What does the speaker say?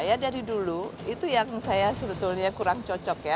ya dari dulu itu yang saya sebetulnya kurang cocok ya